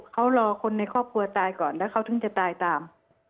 เขารอคนในครอบครัวตายก่อนแล้วเขาถึงจะตายตาม